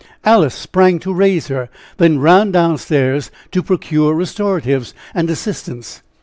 Alice sprang to raise her, then ran down stairs to procure restoratives and assistance.